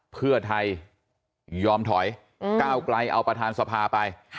เพื่อไทยยอมถอยก้าวไกลเอาประธานสภาไป